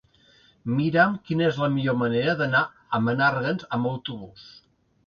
Mira'm quina és la millor manera d'anar a Menàrguens amb autobús.